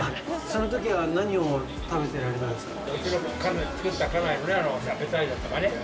そのときは何を食べてられたんですか。